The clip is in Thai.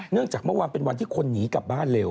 จากเมื่อวานเป็นวันที่คนหนีกลับบ้านเร็ว